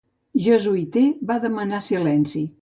Jesuiter va demanar silenci.